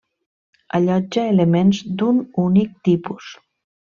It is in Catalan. Allotja elements d'un únic tipus.